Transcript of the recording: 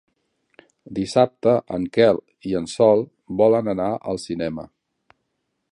Dissabte en Quel i en Sol volen anar al cinema.